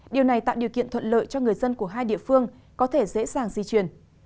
điều này tạo điều kiện thuận lợi cho người dân của hai địa phương có thể dễ dàng di chuyển